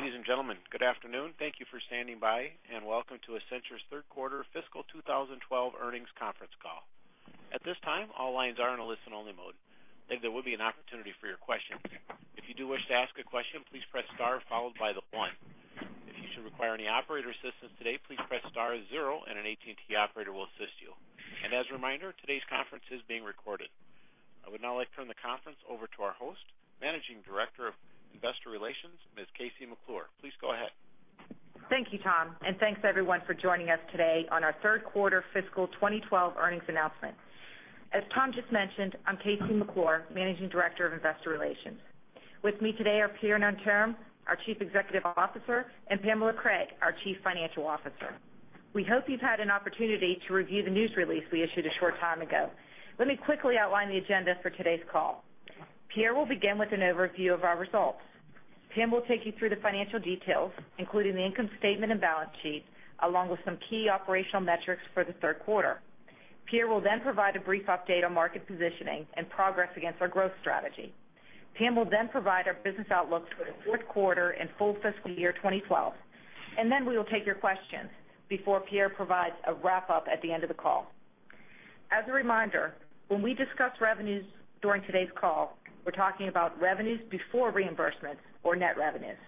Ladies and gentlemen, good afternoon. Thank you for standing by, and welcome to Accenture's third quarter fiscal 2012 earnings conference call. At this time, all lines are in a listen-only mode. Later there will be an opportunity for your questions. If you do wish to ask a question, please press star followed by the one. If you should require any operator assistance today, please press star zero and an AT&T operator will assist you. As a reminder, today's conference is being recorded. I would now like to turn the conference over to our host, Managing Director of Investor Relations, Ms. KC McClure. Please go ahead. Thank you, Tom, and thanks everyone for joining us today on our third quarter fiscal 2012 earnings announcement. As Tom just mentioned, I'm KC McClure, Managing Director of Investor Relations. With me today are Pierre Nanterme, our Chief Executive Officer, and Pamela Craig, our Chief Financial Officer. We hope you've had an opportunity to review the news release we issued a short time ago. Let me quickly outline the agenda for today's call. Pierre will begin with an overview of our results. Pam will take you through the financial details, including the income statement and balance sheet, along with some key operational metrics for the third quarter. Pierre will provide a brief update on market positioning and progress against our growth strategy. Pam will provide our business outlook for the fourth quarter and full fiscal year 2012, and then we will take your questions before Pierre provides a wrap-up at the end of the call. As a reminder, when we discuss revenues during today's call, we're talking about revenues before reimbursements or net revenues.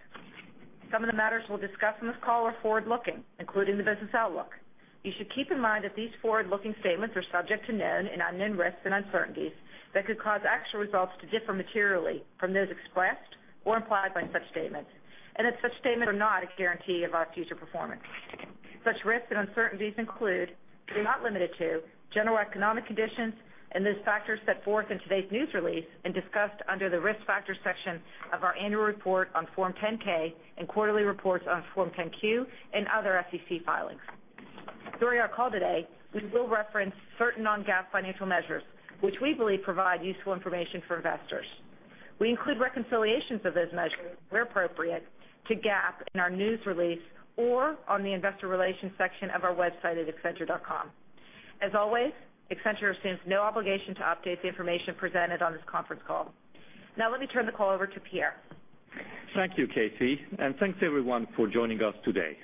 Some of the matters we'll discuss on this call are forward-looking, including the business outlook. You should keep in mind that these forward-looking statements are subject to known and unknown risks and uncertainties that could cause actual results to differ materially from those expressed or implied by such statements, and that such statements are not a guarantee of our future performance. Such risks and uncertainties include, but are not limited to, general economic conditions and those factors set forth in today's news release and discussed under the Risk Factors section of our annual report on Form 10-K and quarterly reports on Form 10-Q and other SEC filings. During our call today, we will reference certain non-GAAP financial measures, which we believe provide useful information for investors. We include reconciliations of those measures where appropriate to GAAP in our news release or on the investor relations section of our website at accenture.com. As always, Accenture assumes no obligation to update the information presented on this conference call. Now let me turn the call over to Pierre. Thank you, KC, and thanks everyone for joining us today.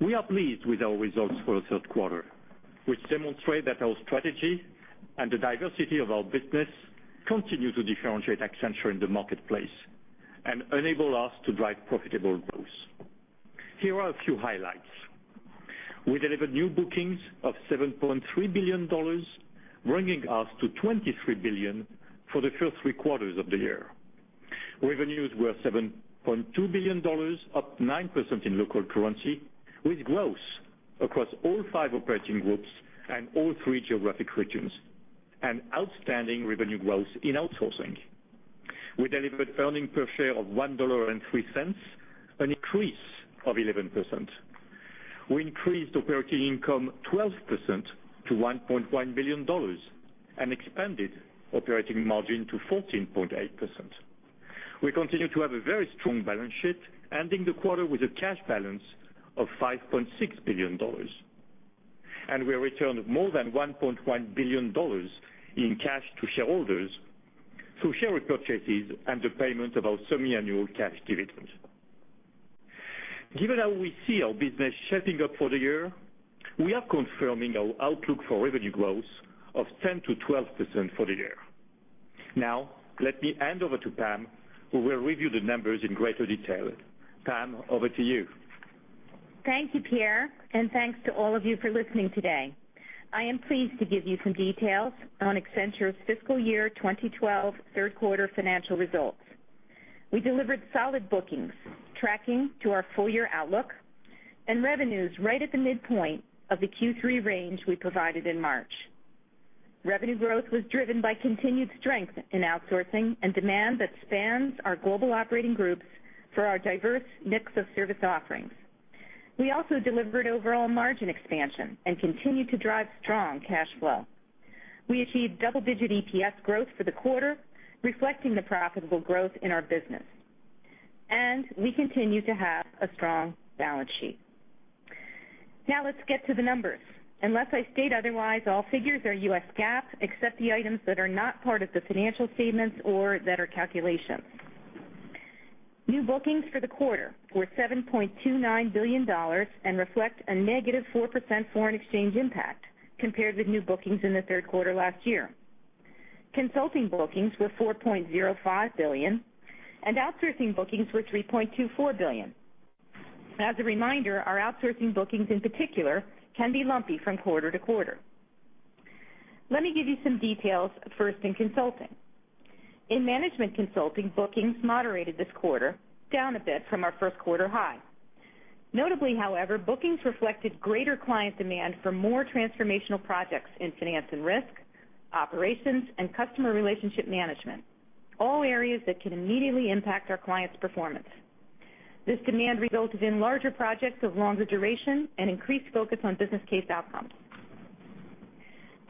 We are pleased with our results for the third quarter, which demonstrate that our strategy and the diversity of our business continue to differentiate Accenture in the marketplace and enable us to drive profitable growth. Here are a few highlights. We delivered new bookings of $7.3 billion, bringing us to $23 billion for the first three quarters of the year. Revenues were $7.2 billion, up 9% in local currency with growth across all five operating groups and all three geographic regions, and outstanding revenue growth in outsourcing. We delivered earnings per share of $1.03, an increase of 11%. We increased operating income 12% to $1.1 billion and expanded operating margin to 14.8%. We continue to have a very strong balance sheet, ending the quarter with a cash balance of $5.6 billion. We returned more than $1.1 billion in cash to shareholders through share repurchases and the payment of our semi-annual cash dividends. Given how we see our business shaping up for the year, we are confirming our outlook for revenue growth of 10%-12% for the year. Now, let me hand over to Pam, who will review the numbers in greater detail. Pam, over to you. Thank you, Pierre, and thanks to all of you for listening today. I am pleased to give you some details on Accenture's fiscal year 2012 third quarter financial results. We delivered solid bookings tracking to our full year outlook and revenues right at the midpoint of the Q3 range we provided in March. Revenue growth was driven by continued strength in outsourcing and demand that spans our global operating groups for our diverse mix of service offerings. We also delivered overall margin expansion and continued to drive strong cash flow. We achieved double-digit EPS growth for the quarter, reflecting the profitable growth in our business. We continue to have a strong balance sheet. Now let's get to the numbers. Unless I state otherwise, all figures are U.S. GAAP, except the items that are not part of the financial statements or that are calculations. New bookings for the quarter were $7.29 billion and reflect a negative 4% foreign exchange impact compared with new bookings in the third quarter last year. Consulting bookings were $4.05 billion and outsourcing bookings were $3.24 billion. As a reminder, our outsourcing bookings in particular can be lumpy from quarter to quarter. Let me give you some details first in consulting. In management consulting, bookings moderated this quarter, down a bit from our first quarter high. Notably, however, bookings reflected greater client demand for more transformational projects in finance and risk, operations, and customer relationship management, all areas that can immediately impact our clients' performance. This demand resulted in larger projects of longer duration and increased focus on business case outcomes.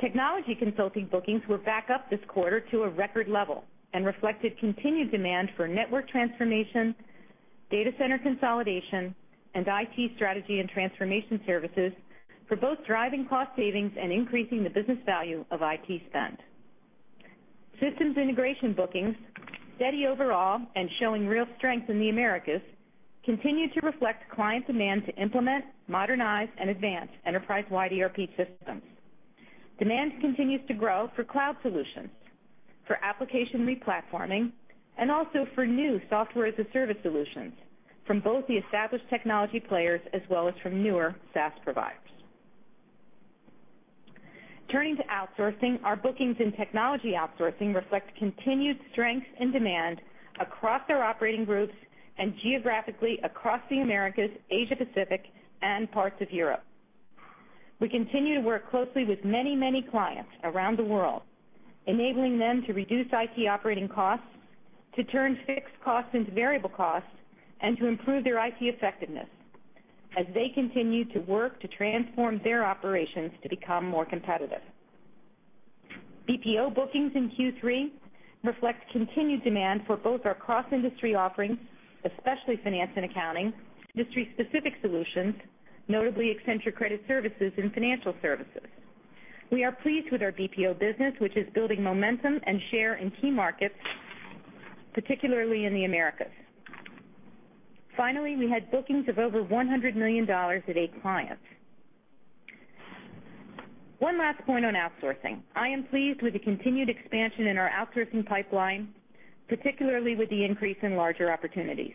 Technology consulting bookings were back up this quarter to a record level and reflected continued demand for network transformation, data center consolidation, and IT strategy and transformation services for both driving cost savings and increasing the business value of IT spend. Systems integration bookings, steady overall and showing real strength in the Americas, continue to reflect client demand to implement, modernize, and advance enterprise-wide ERP systems. Demand continues to grow for cloud solutions, for application re-platforming, and also for new Software as a Service solutions from both the established technology players as well as from newer SaaS providers. Turning to outsourcing, our bookings in technology outsourcing reflect continued strength and demand across our operating groups and geographically across the Americas, Asia Pacific, and parts of Europe. We continue to work closely with many clients around the world, enabling them to reduce IT operating costs, to turn fixed costs into variable costs, and to improve their IT effectiveness as they continue to work to transform their operations to become more competitive. BPO bookings in Q3 reflect continued demand for both our cross-industry offerings, especially finance and accounting, industry-specific solutions, notably Accenture Credit Services and Financial Services. We are pleased with our BPO business, which is building momentum and share in key markets, particularly in the Americas. Finally, we had bookings of over $100 million at a client. One last point on outsourcing. I am pleased with the continued expansion in our outsourcing pipeline, particularly with the increase in larger opportunities.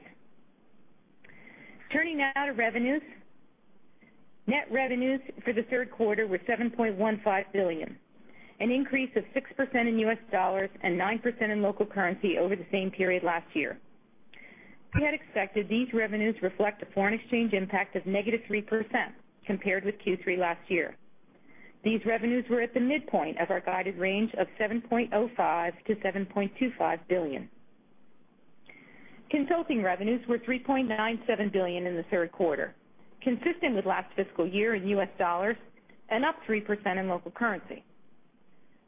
Turning now to revenues. Net revenues for the third quarter were $7.15 billion, an increase of 6% in US dollars and 9% in local currency over the same period last year. We had expected these revenues reflect a foreign exchange impact of negative 3% compared with Q3 last year. These revenues were at the midpoint of our guided range of $7.05 billion-$7.25 billion. Consulting revenues were $3.97 billion in the third quarter, consistent with last fiscal year in US dollars and up 3% in local currency.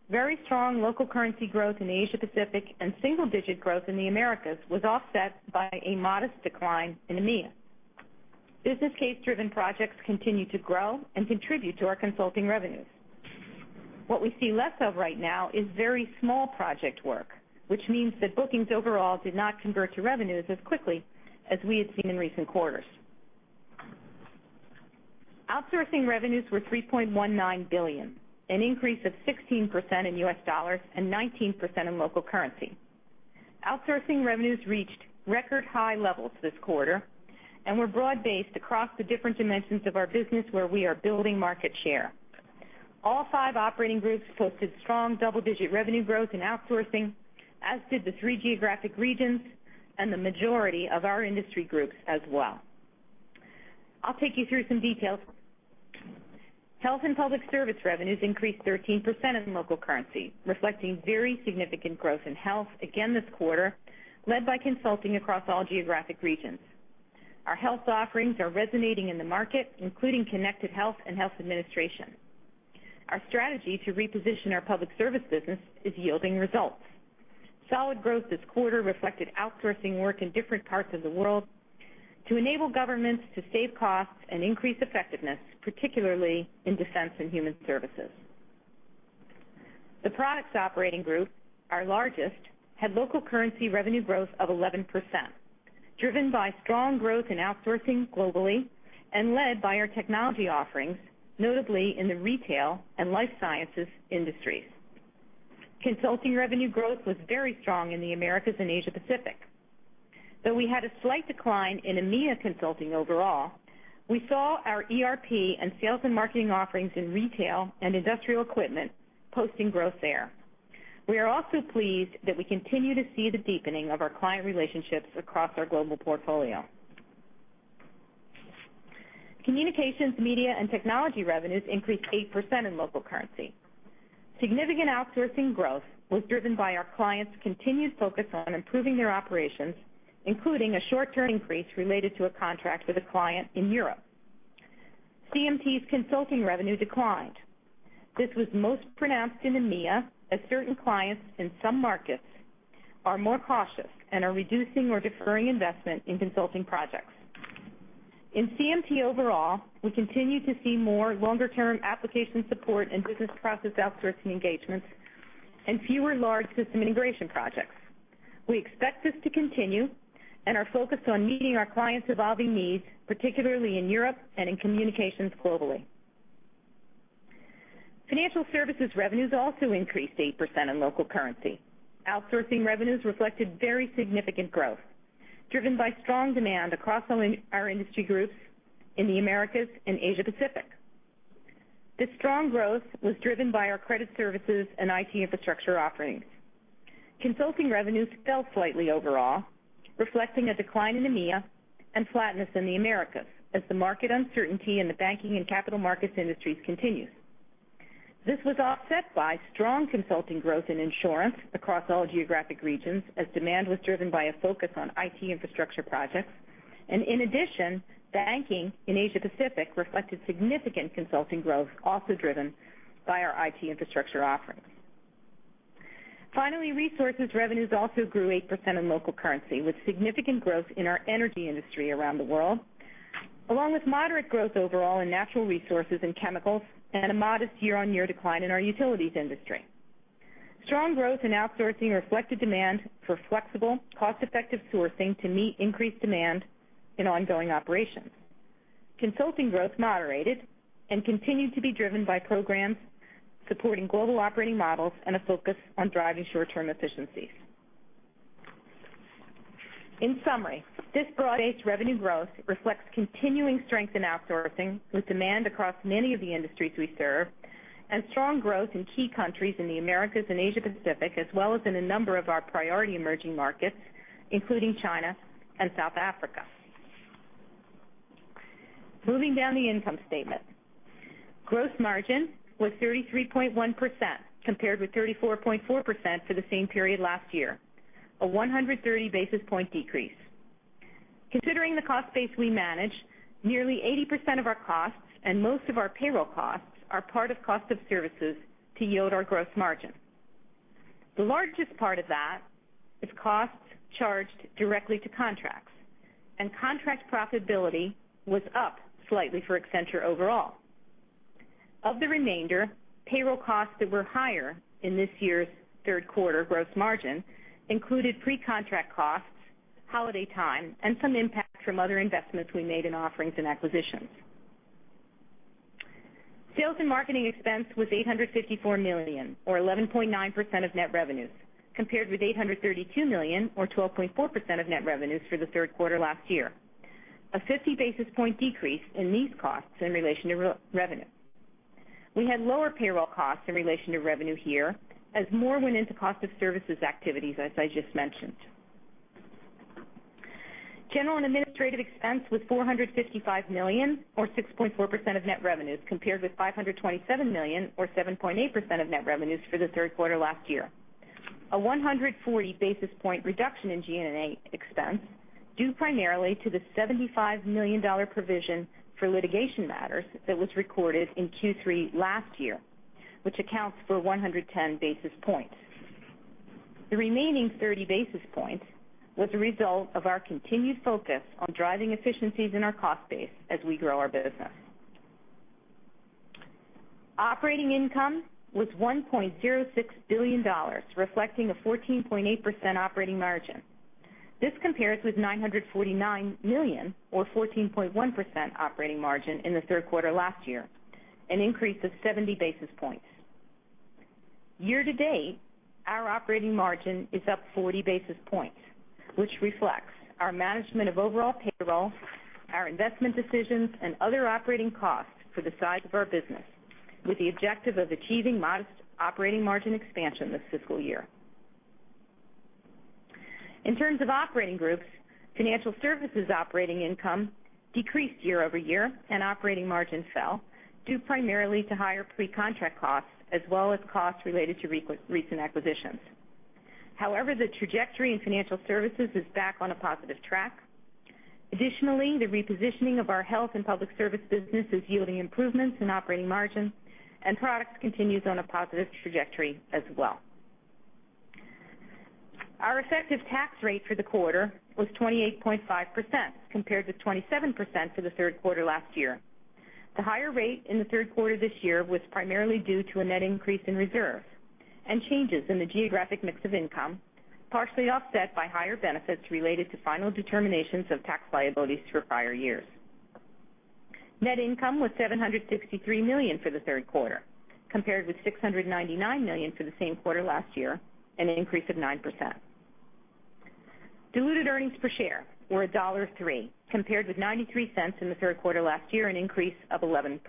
Very strong local currency growth in Asia Pacific and single-digit growth in the Americas was offset by a modest decline in EMEA. Business case-driven projects continue to grow and contribute to our consulting revenues. What we see less of right now is very small project work, which means that bookings overall did not convert to revenues as quickly as we had seen in recent quarters. Outsourcing revenues were $3.19 billion, an increase of 16% in US dollars and 19% in local currency. Outsourcing revenues reached record high levels this quarter and were broad-based across the different dimensions of our business where we are building market share. All five operating groups posted strong double-digit revenue growth in outsourcing, as did the three geographic regions and the majority of our industry groups as well. I'll take you through some details. Health and public service revenues increased 13% in local currency, reflecting very significant growth in health again this quarter, led by consulting across all geographic regions. Our health offerings are resonating in the market, including Connected Health and health administration. Our strategy to reposition our public service business is yielding results. Solid growth this quarter reflected outsourcing work in different parts of the world to enable governments to save costs and increase effectiveness, particularly in defense and human services. The products operating group, our largest, had local currency revenue growth of 11%, driven by strong growth in outsourcing globally and led by our technology offerings, notably in the retail and life sciences industries. Consulting revenue growth was very strong in the Americas and Asia Pacific. We had a slight decline in EMEA consulting overall, we saw our ERP and sales and marketing offerings in retail and industrial equipment posting growth there. We are also pleased that we continue to see the deepening of our client relationships across our global portfolio. Communications, media, and technology revenues increased 8% in local currency. Significant outsourcing growth was driven by our clients' continued focus on improving their operations, including a short-term increase related to a contract with a client in Europe. CMT's consulting revenue declined. This was most pronounced in EMEA, as certain clients in some markets are more cautious and are reducing or deferring investment in consulting projects. In CMT overall, we continue to see more longer-term application support and business process outsourcing engagements and fewer large system integration projects. We expect this to continue and are focused on meeting our clients' evolving needs, particularly in Europe and in communications globally. Financial services revenues also increased 8% in local currency. Outsourcing revenues reflected very significant growth, driven by strong demand across our industry groups in the Americas and Asia Pacific. This strong growth was driven by our Credit Services and IT infrastructure offerings. Consulting revenues fell slightly overall, reflecting a decline in EMEA and flatness in the Americas as the market uncertainty in the banking and capital markets industries continues. This was offset by strong consulting growth in insurance across all geographic regions as demand was driven by a focus on IT infrastructure projects. In addition, banking in Asia Pacific reflected significant consulting growth, also driven by our IT infrastructure offerings. Finally, resources revenues also grew 8% in local currency, with significant growth in our energy industry around the world. Along with moderate growth overall in natural resources and chemicals and a modest year-on-year decline in our utilities industry. Strong growth in outsourcing reflected demand for flexible, cost-effective sourcing to meet increased demand in ongoing operations. Consulting growth moderated and continued to be driven by programs supporting global operating models and a focus on driving short-term efficiencies. In summary, this broad-based revenue growth reflects continuing strength in outsourcing with demand across many of the industries we serve and strong growth in key countries in the Americas and Asia Pacific, as well as in a number of our priority emerging markets, including China and South Africa. Moving down the income statement. Gross margin was 33.1% compared with 34.4% for the same period last year, a 130 basis point decrease. Considering the cost base we manage, nearly 80% of our costs and most of our payroll costs are part of cost of services to yield our gross margin. The largest part of that is costs charged directly to contracts, and contract profitability was up slightly for Accenture overall. Of the remainder, payroll costs that were higher in this year's third quarter gross margin included pre-contract costs, holiday time, and some impact from other investments we made in offerings and acquisitions. Sales and marketing expense was $854 million, or 11.9% of net revenues, compared with $832 million or 12.4% of net revenues for the third quarter last year. A 50 basis point decrease in these costs in relation to revenue. We had lower payroll costs in relation to revenue here as more went into cost of services activities, as I just mentioned. General and administrative expense was $455 million or 6.4% of net revenues, compared with $527 million or 7.8% of net revenues for the third quarter last year. A 140 basis point reduction in G&A expense due primarily to the $75 million provision for litigation matters that was recorded in Q3 last year, which accounts for 110 basis points. The remaining 30 basis points was a result of our continued focus on driving efficiencies in our cost base as we grow our business. Operating income was $1.06 billion, reflecting a 14.8% operating margin. This compares with $949 million or 14.1% operating margin in the third quarter last year, an increase of 70 basis points. Year-to-date, our operating margin is up 40 basis points, which reflects our management of overall payroll, our investment decisions, and other operating costs for the size of our business with the objective of achieving modest operating margin expansion this fiscal year. In terms of operating groups, financial services operating income decreased year-over-year and operating margins fell due primarily to higher pre-contract costs as well as costs related to recent acquisitions. However, the trajectory in financial services is back on a positive track. Additionally, the repositioning of our health and public service business is yielding improvements in operating margins and products continues on a positive trajectory as well. Our effective tax rate for the quarter was 28.5% compared to 27% for the third quarter last year. The higher rate in the third quarter this year was primarily due to a net increase in reserves and changes in the geographic mix of income, partially offset by higher benefits related to final determinations of tax liabilities for prior years. Net income was $763 million for the third quarter, compared with $699 million for the same quarter last year, an increase of 9%. Diluted earnings per share were $1.03 compared with $0.93 in the third quarter last year, an increase of 11%.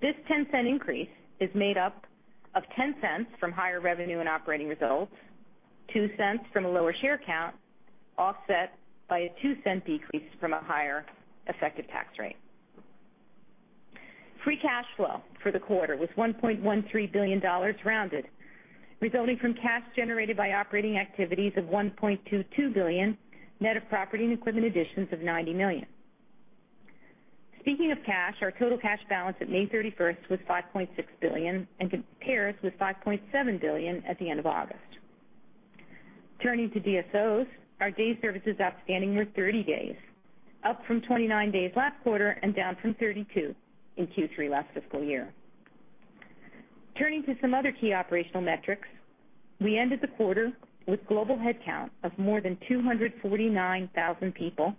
This $0.10 increase is made up of $0.10 from higher revenue and operating results, $0.02 from a lower share count, offset by a $0.02 decrease from a higher effective tax rate. Free cash flow for the quarter was $1.13 billion rounded, resulting from cash generated by operating activities of $1.22 billion, net of property and equipment additions of $90 million. Speaking of cash, our total cash balance at May 31st was $5.6 billion and compares with $5.7 billion at the end of August. Turning to DSOs, our days services outstanding were 30 days, up from 29 days last quarter and down from 32 in Q3 last fiscal year. Turning to some other key operational metrics, we ended the quarter with global headcount of more than 249,000 people,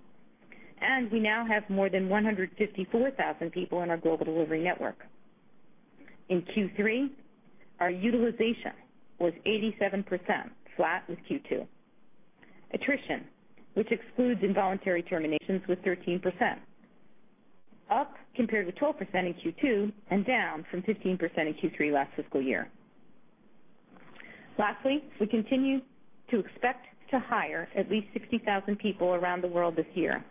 and we now have more than 154,000 people in our global delivery network. In Q3, our utilization was 87%, flat with Q2. Attrition, which excludes involuntary terminations, was 13%, up compared to 12% in Q2 and down from 15% in Q3 last fiscal year. Lastly, we continue to expect to hire at least 60,000 people around the world this year.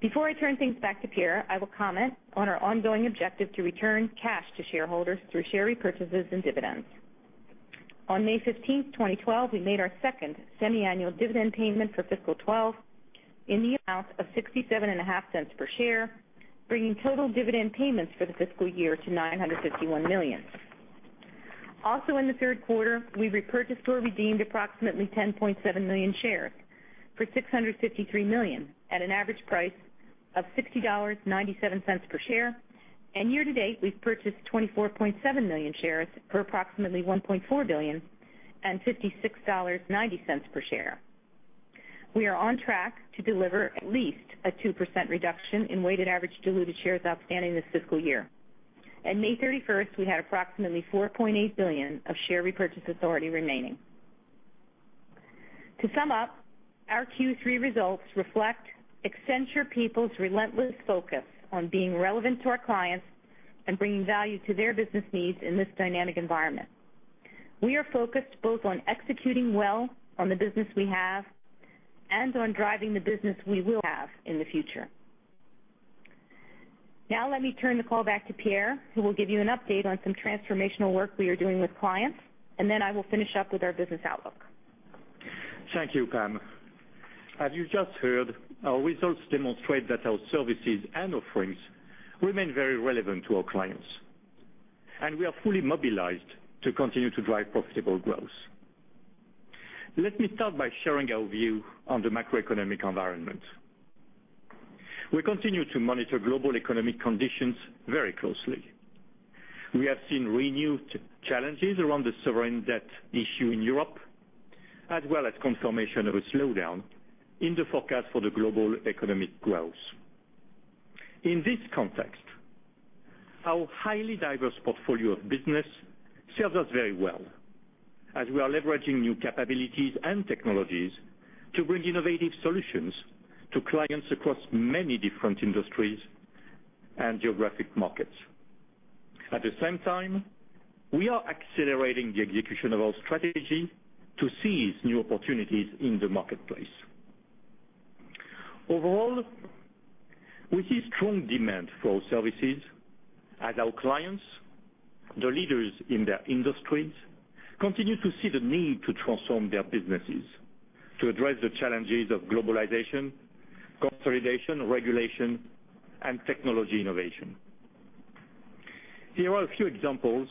Before I turn things back to Pierre, I will comment on our ongoing objective to return cash to shareholders through share repurchases and dividends. On May 15th, 2012, we made our second semiannual dividend payment for fiscal 2012 in the amount of $0.675 per share, bringing total dividend payments for the fiscal year to $951 million. Also in the third quarter, we repurchased or redeemed approximately 10.7 million shares for $653 million at an average price of $60.97 per share. Year to date, we've purchased 24.7 million shares for approximately $1.4 billion and $56.90 per share. We are on track to deliver at least a 2% reduction in weighted average diluted shares outstanding this fiscal year. At May 31st, we had approximately $4.8 billion of share repurchase authority remaining. To sum up, our Q3 results reflect Accenture people's relentless focus on being relevant to our clients and bringing value to their business needs in this dynamic environment. We are focused both on executing well on the business we have and on driving the business we will have in the future. Now let me turn the call back to Pierre, who will give you an update on some transformational work we are doing with clients, and then I will finish up with our business outlook. Thank you, Pam. As you just heard, our results demonstrate that our services and offerings remain very relevant to our clients. We are fully mobilized to continue to drive profitable growth. Let me start by sharing our view on the macroeconomic environment. We continue to monitor global economic conditions very closely. We have seen renewed challenges around the sovereign debt issue in Europe, as well as confirmation of a slowdown in the forecast for the global economic growth. In this context, our highly diverse portfolio of business serves us very well as we are leveraging new capabilities and technologies to bring innovative solutions to clients across many different industries and geographic markets. At the same time, we are accelerating the execution of our strategy to seize new opportunities in the marketplace. Overall, we see strong demand for our services as our clients, the leaders in their industries, continue to see the need to transform their businesses to address the challenges of globalization, consolidation, regulation, and technology innovation. Here are a few examples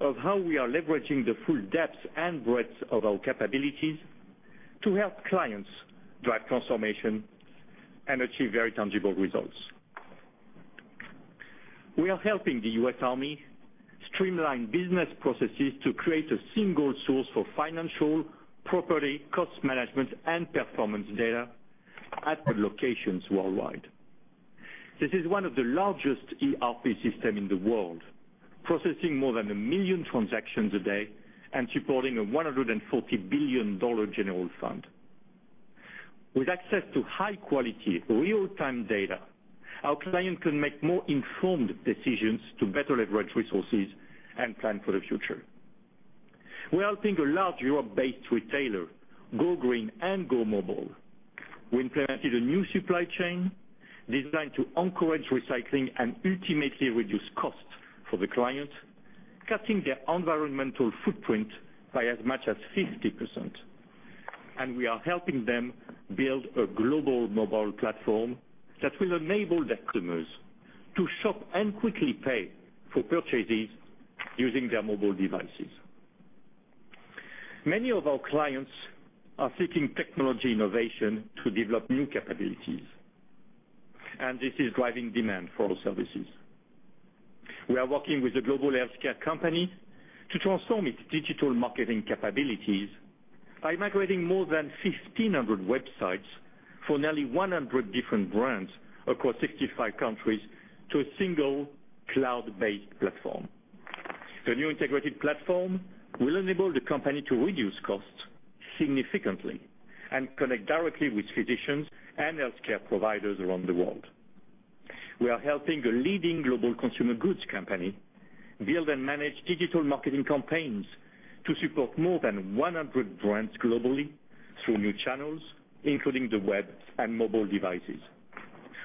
of how we are leveraging the full depth and breadth of our capabilities to help clients drive transformation and achieve very tangible results. We are helping the U.S. Army streamline business processes to create a single source for financial, property, cost management, and performance data at their locations worldwide. This is one of the largest ERP systems in the world, processing more than a million transactions a day and supporting a $140 billion general fund. With access to high-quality, real-time data, our client can make more informed decisions to better leverage resources and plan for the future. We are helping a large Europe-based retailer go green and go mobile. We implemented a new supply chain designed to encourage recycling and ultimately reduce costs for the client, cutting their environmental footprint by as much as 50%. We are helping them build a global mobile platform that will enable their customers to shop and quickly pay for purchases using their mobile devices. Many of our clients are seeking technology innovation to develop new capabilities. This is driving demand for our services. We are working with a global healthcare company to transform its digital marketing capabilities by migrating more than 1,500 websites for nearly 100 different brands across 65 countries to a single cloud-based platform. The new integrated platform will enable the company to reduce costs significantly and connect directly with physicians and healthcare providers around the world. We are helping a leading global consumer goods company build and manage digital marketing campaigns to support more than 100 brands globally through new channels, including the web and mobile devices.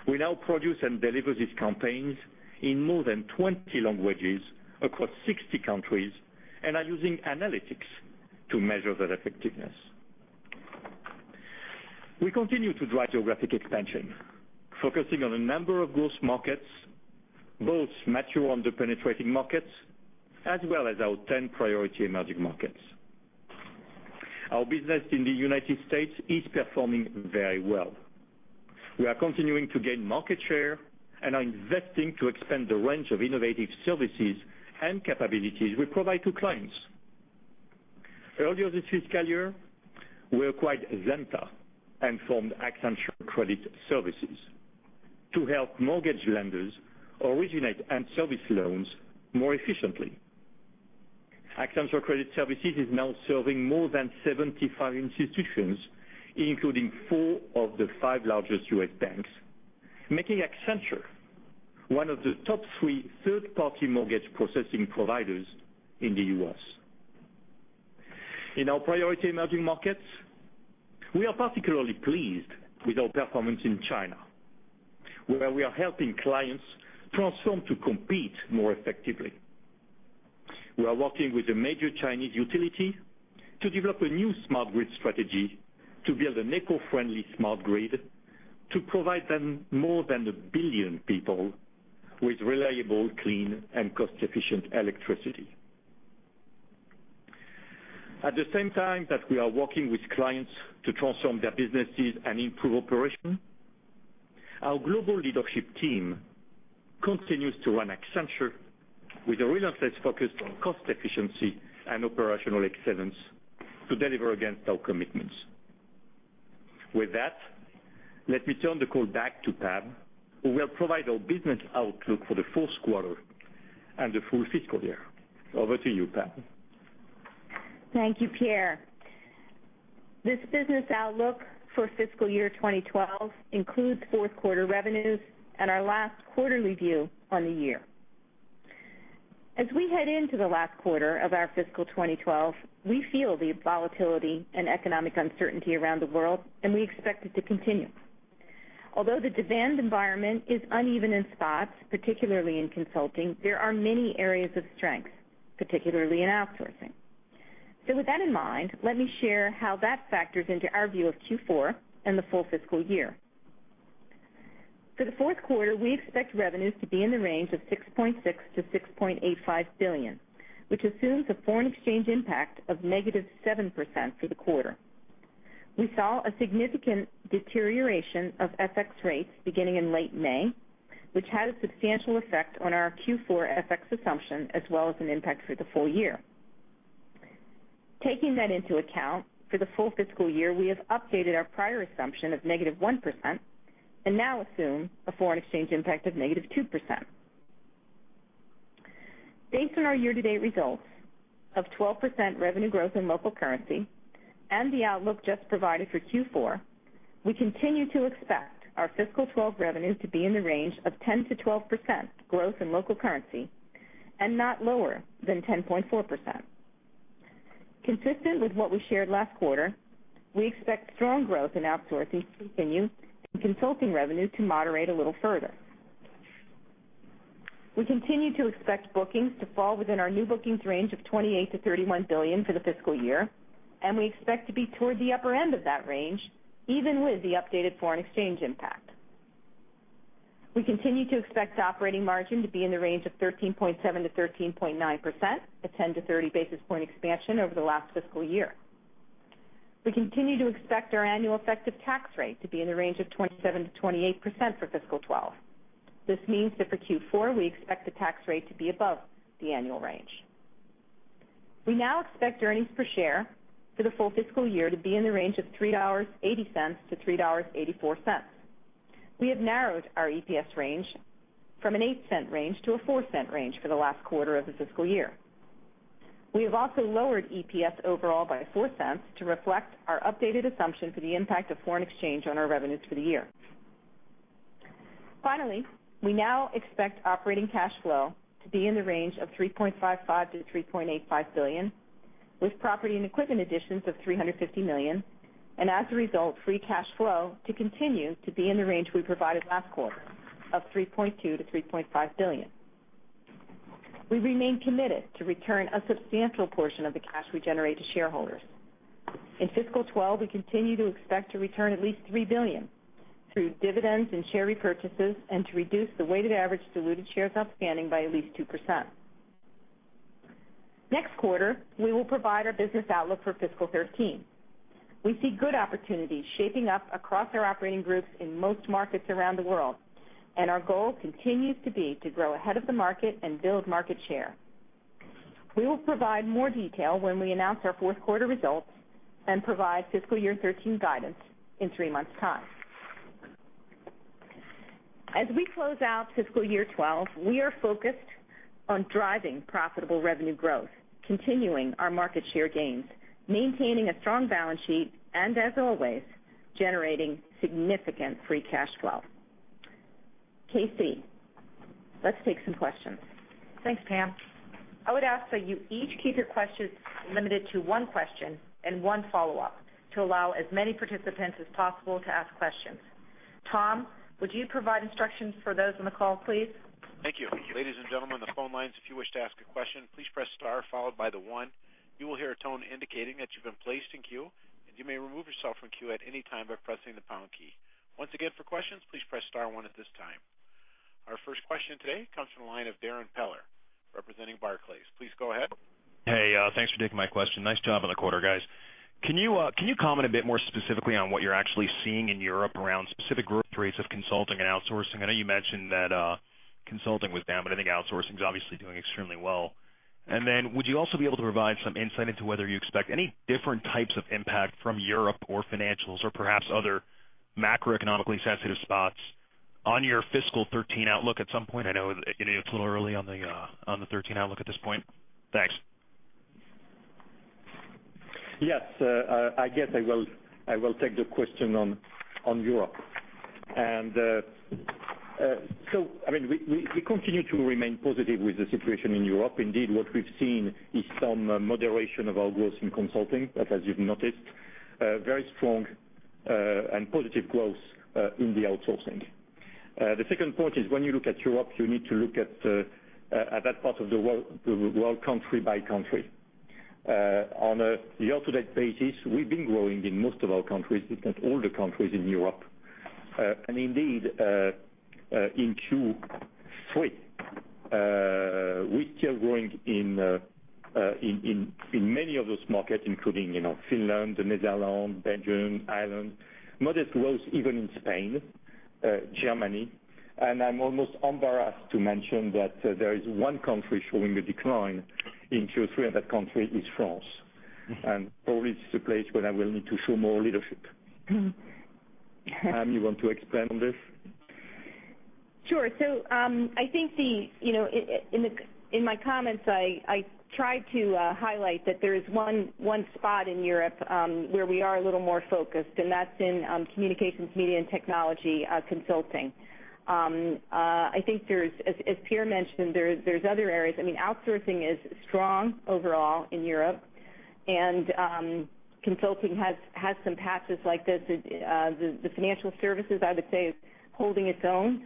We now produce and deliver these campaigns in more than 20 languages across 60 countries. Are using analytics to measure their effectiveness. We continue to drive geographic expansion, focusing on a number of growth markets, both mature underpenetrating markets, as well as our 10 priority emerging markets. Our business in the U.S. is performing very well. We are continuing to gain market share. Are investing to expand the range of innovative services and capabilities we provide to clients. Earlier this fiscal year, we acquired Zenta and formed Accenture Credit Services to help mortgage lenders originate and service loans more efficiently. Accenture Credit Services is now serving more than 75 institutions, including four of the five largest U.S. banks, making Accenture one of the top three third-party mortgage processing providers in the U.S. In our priority emerging markets, we are particularly pleased with our performance in China, where we are helping clients transform to compete more effectively. We are working with a major Chinese utility to develop a new smart grid strategy to build an eco-friendly smart grid To provide them more than 1 billion people with reliable, clean, and cost-efficient electricity. At the same time that we are working with clients to transform their businesses and improve operation, our global leadership team continues to run Accenture with a relentless focus on cost efficiency and operational excellence to deliver against our commitments. With that, let me turn the call back to Pam, who will provide our business outlook for the fourth quarter and the full fiscal year. Over to you, Pam. Thank you, Pierre. This business outlook for fiscal year 2012 includes fourth quarter revenues and our last quarterly view on the year. As we head into the last quarter of our fiscal 2012, we feel the volatility and economic uncertainty around the world, and we expect it to continue. Although the demand environment is uneven in spots, particularly in consulting, there are many areas of strength, particularly in outsourcing. With that in mind, let me share how that factors into our view of Q4 and the full fiscal year. For the fourth quarter, we expect revenues to be in the range of $6.6 billion-$6.85 billion, which assumes a foreign exchange impact of -7% for the quarter. We saw a significant deterioration of FX rates beginning in late May, which had a substantial effect on our Q4 FX assumption, as well as an impact for the full year. Taking that into account, for the full fiscal year, we have updated our prior assumption of -1% and now assume a foreign exchange impact of -2%. Based on our year-to-date results of 12% revenue growth in local currency and the outlook just provided for Q4, we continue to expect our fiscal 2012 revenues to be in the range of 10%-12% growth in local currency and not lower than 10.4%. Consistent with what we shared last quarter, we expect strong growth in outsourcing to continue and consulting revenue to moderate a little further. We continue to expect bookings to fall within our new bookings range of $28 billion-$31 billion for the fiscal year, and we expect to be toward the upper end of that range, even with the updated foreign exchange impact. We continue to expect operating margin to be in the range of 13.7%-13.9%, a 10-30 basis point expansion over the last fiscal year. We continue to expect our annual effective tax rate to be in the range of 27%-28% for fiscal 2012. This means that for Q4, we expect the tax rate to be above the annual range. We now expect earnings per share for the full fiscal year to be in the range of $3.80-$3.84. We have narrowed our EPS range from an eight-cent range to a four-cent range for the last quarter of the fiscal year. We have also lowered EPS overall by four cents to reflect our updated assumption for the impact of foreign exchange on our revenues for the year. We now expect operating cash flow to be in the range of $3.55 billion-$3.85 billion, with property and equipment additions of $350 million, and as a result, free cash flow to continue to be in the range we provided last quarter of $3.2 billion-$3.5 billion. We remain committed to return a substantial portion of the cash we generate to shareholders. In fiscal year 2012, we continue to expect to return at least $3 billion through dividends and share repurchases and to reduce the weighted average diluted shares outstanding by at least 2%. Next quarter, we will provide our business outlook for fiscal year 2013. We see good opportunities shaping up across our operating groups in most markets around the world, and our goal continues to be to grow ahead of the market and build market share. We will provide more detail when we announce our fourth quarter results and provide fiscal year 2013 guidance in three months' time. As we close out fiscal year 2012, we are focused on driving profitable revenue growth, continuing our market share gains, maintaining a strong balance sheet, and as always, generating significant free cash flow. KC, let's take some questions. Thanks, Pam. I would ask that you each keep your questions limited to one question and one follow-up to allow as many participants as possible to ask questions. Tom, would you provide instructions for those on the call, please? Thank you. Ladies and gentlemen on the phone lines, if you wish to ask a question, please press star followed by the one. You will hear a tone indicating that you've been placed in queue, and you may remove yourself from queue at any time by pressing the pound key. Once again, for questions, please press star one at this time. Our first question today comes from the line of Darrin Peller, representing Barclays. Please go ahead. Thanks for taking my question. Nice job on the quarter, guys. Can you comment a bit more specifically on what you're actually seeing in Europe around specific growth rates of consulting and outsourcing? I know you mentioned that consulting was down. I think outsourcing is obviously doing extremely well. Would you also be able to provide some insight into whether you expect any different types of impact from Europe or financials or perhaps other macroeconomically sensitive spots on your fiscal 2013 outlook at some point? I know it's a little early on the 2013 outlook at this point. Thanks. Yes. I guess I will take the question on Europe. We continue to remain positive with the situation in Europe. Indeed, what we've seen is some moderation of our growth in consulting. As you've noticed, very strong and positive growth in the outsourcing. The second point is when you look at Europe, you need to look at that part of the world country by country. On a year-to-date basis, we've been growing in most of our countries, if not all the countries in Europe. Indeed, in Q3, we're still growing in many of those markets, including Finland, the Netherlands, Belgium, Ireland, modest growth even in Spain, Germany. I'm almost embarrassed to mention that there is one country showing a decline in Q3, and that country is France. Probably it's the place where I will need to show more leadership. Pam, you want to expand on this? Sure. I think in my comments, I tried to highlight that there is one spot in Europe where we are a little more focused, and that's in communications, media, and technology consulting. I think as Pierre mentioned, there's other areas. Outsourcing is strong overall in Europe, and consulting has some patches like this. The financial services, I would say, is holding its own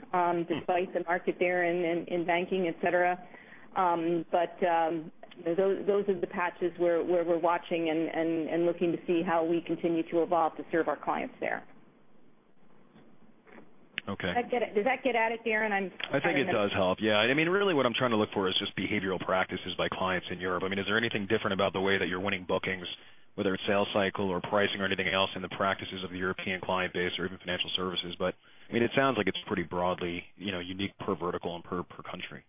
despite the market there in banking, et cetera. Those are the patches where we're watching and looking to see how we continue to evolve to serve our clients there. Okay. Does that get at it, Darrin? I think it does help, yeah. Really, what I'm trying to look for is just behavioral practices by clients in Europe. Is there anything different about the way that you're winning bookings, whether it's sales cycle or pricing or anything else in the practices of the European client base or even financial services? It sounds like it's pretty broadly unique per vertical and per country.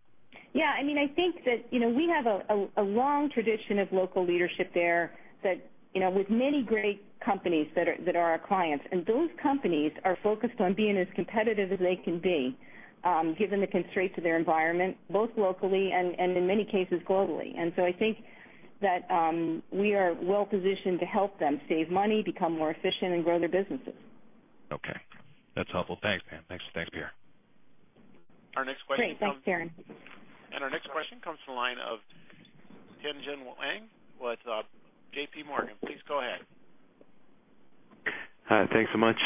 Yeah. I think that we have a long tradition of local leadership there with many great companies that are our clients, those companies are focused on being as competitive as they can be, given the constraints of their environment, both locally and in many cases, globally. I think that we are well-positioned to help them save money, become more efficient, and grow their businesses. Okay. That's helpful. Thanks, Pam. Thanks, Pierre. Great. Thanks, Darrin. Our next question comes from the line of Tien-Tsin Huang with JPMorgan. Please go ahead. Hi. Thanks so much.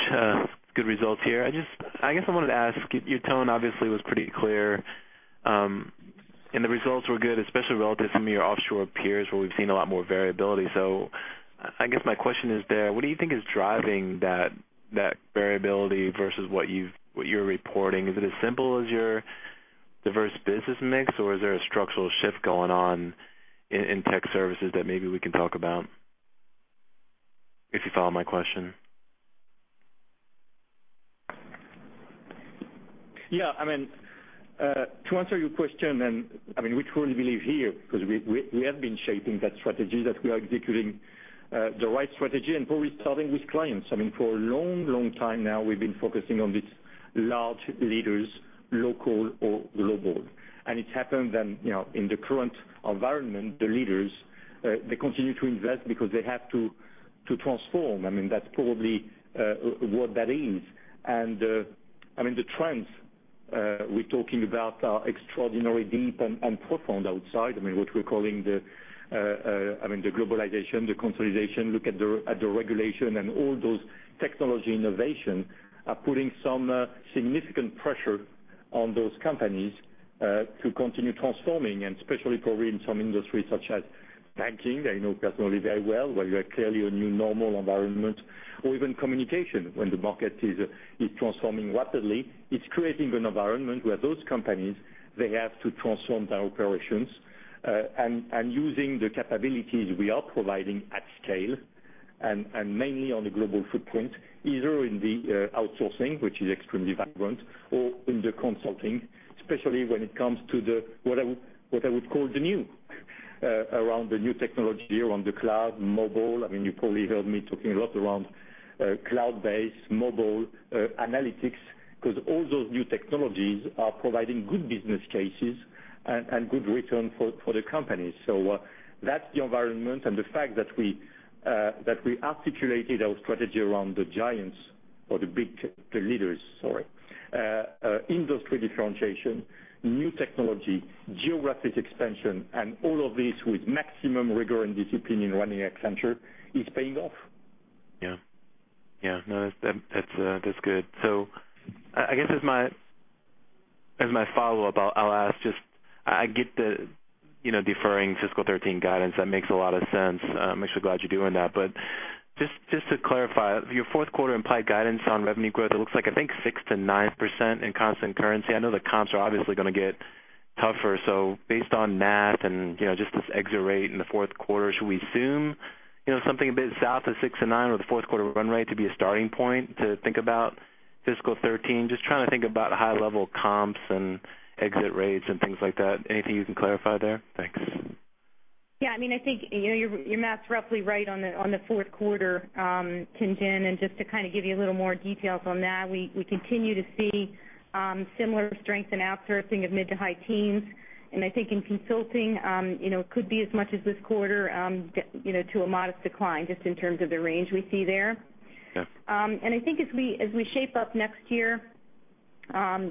Good results here. I guess I wanted to ask, your tone obviously was pretty clear, and the results were good, especially relative to some of your offshore peers where we've seen a lot more variability. I guess my question is there, what do you think is driving that variability versus what you're reporting? Is it as simple as your diverse business mix, or is there a structural shift going on in tech services that maybe we can talk about? If you follow my question. Yeah. To answer your question, we truly believe here, because we have been shaping that strategy, that we are executing the right strategy and probably starting with clients. For a long time now, we've been focusing on these large leaders, local or global. It happened then in the current environment, the leaders, they continue to invest because they have to transform. That's probably what that is. The trends we're talking about are extraordinarily deep and profound outside, what we're calling the globalization, the consolidation, look at the regulation and all those technology innovation are putting some significant pressure on those companies to continue transforming, and especially probably in some industries such as banking, I know personally very well, where you are clearly a new normal environment, or even communication, when the market is transforming rapidly. It's creating an environment where those companies, they have to transform their operations. Using the capabilities we are providing at scale and mainly on the global footprint, either in the outsourcing, which is extremely vibrant, or in the consulting, especially when it comes to what I would call the new, around the new technology, around the cloud, mobile. You probably heard me talking a lot around cloud-based mobile analytics, because all those new technologies are providing good business cases and good return for the company. That's the environment and the fact that we articulated our strategy around the giants or the big leaders, sorry, industry differentiation, new technology, geographic expansion, and all of this with maximum rigor and discipline in running Accenture is paying off. Yeah. That's good. I guess as my follow-up, I'll ask just, I get the deferring fiscal 2013 guidance. That makes a lot of sense. I'm actually glad you're doing that. Just to clarify, your fourth quarter implied guidance on revenue growth, it looks like, I think, 6%-9% in constant currency. I know the comps are obviously going to get tougher. Based on that and just this exit rate in the fourth quarter, should we assume something a bit south of 6-9 or the fourth quarter run rate to be a starting point to think about fiscal 2013? Just trying to think about high-level comps and exit rates and things like that. Anything you can clarify there? Thanks. Yeah, I think your math's roughly right on the fourth quarter, Tien-Tsin. Just to kind of give you a little more details on that, we continue to see similar strength in outsourcing of mid-to-high teens. I think in consulting, could be as much as this quarter to a modest decline just in terms of the range we see there. Okay. I think as we shape up next year,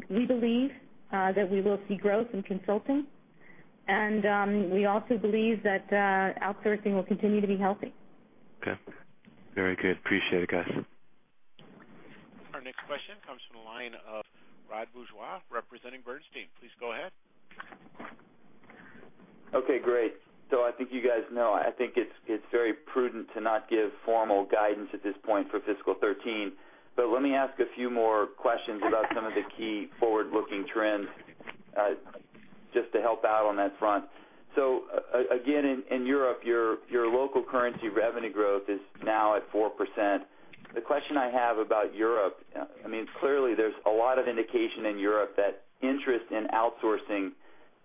we believe that we will see growth in consulting. We also believe that outsourcing will continue to be healthy. Okay. Very good. Appreciate it, guys. Our next question comes from the line of Rod Bourgeois, representing Bernstein. Please go ahead. Okay, great. I think you guys know, I think it's very prudent to not give formal guidance at this point for fiscal 2013. Let me ask a few more questions about some of the key forward-looking trends, just to help out on that front. Again, in Europe, your local currency revenue growth is now at 4%. The question I have about Europe, clearly there's a lot of indication in Europe that interest in outsourcing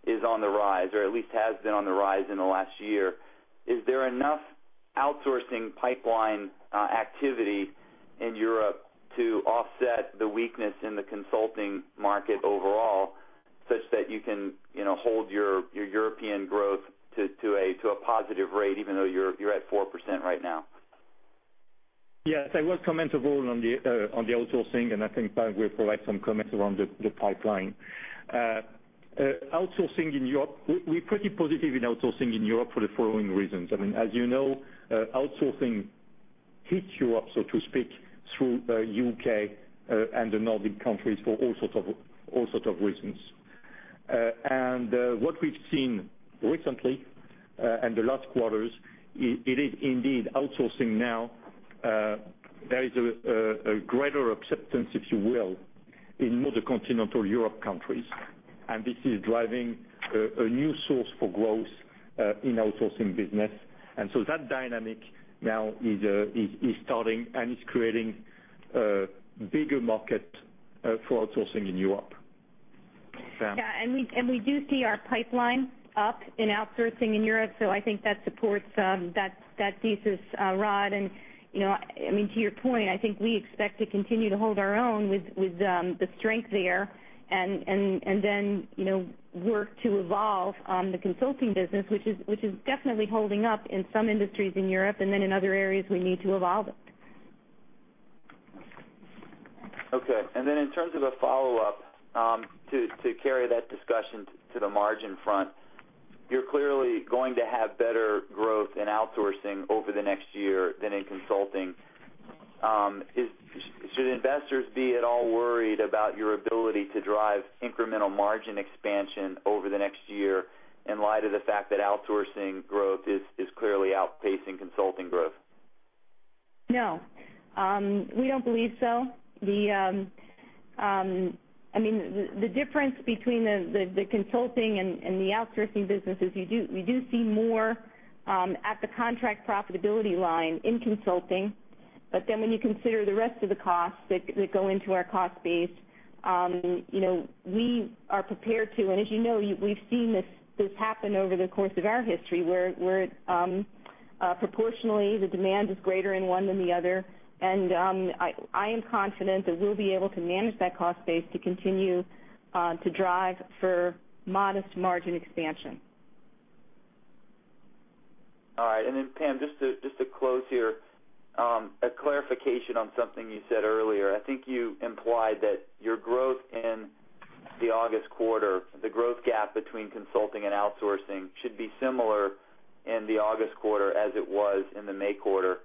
is on the rise, or at least has been on the rise in the last year. Is there enough outsourcing pipeline activity in Europe to offset the weakness in the consulting market overall, such that you can hold your European growth to a positive rate even though you're at 4% right now? Yes, I will comment overall on the outsourcing, I think Pam will provide some comments around the pipeline. Outsourcing in Europe, we're pretty positive in outsourcing in Europe for the following reasons. As you know, outsourcing hit Europe, so to speak, through U.K. and the Nordic countries for all sorts of reasons. What we've seen recently, in the last quarters, it is indeed outsourcing now. There is a greater acceptance, if you will, in more of the continental Europe countries, and this is driving a new source for growth in outsourcing business. That dynamic now is starting and is creating a bigger market for outsourcing in Europe. Pam. We do see our pipeline up in outsourcing in Europe. I think that supports that thesis, Rod. To your point, I think we expect to continue to hold our own with the strength there and then work to evolve the consulting business, which is definitely holding up in some industries in Europe, and then in other areas we need to evolve it. Okay. In terms of a follow-up, to carry that discussion to the margin front, you're clearly going to have better growth in outsourcing over the next year than in consulting. Should investors be at all worried about your ability to drive incremental margin expansion over the next year in light of the fact that outsourcing growth is clearly outpacing consulting growth? No. We don't believe so. The difference between the consulting and the outsourcing business is we do see more at the contract profitability line in consulting. When you consider the rest of the costs that go into our cost base, we are prepared to, and as you know, we've seen this happen over the course of our history, where proportionally the demand is greater in one than the other. I am confident that we'll be able to manage that cost base to continue to drive for modest margin expansion. All right, Pam, just to close here, a clarification on something you said earlier. I think you implied that your growth in the August quarter, the growth gap between consulting and outsourcing should be similar in the August quarter as it was in the May quarter.